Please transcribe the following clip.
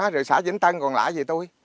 rồi xã vĩnh tân còn lạ gì tôi